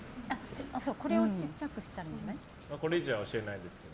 これを小さくしたらいいんじゃない？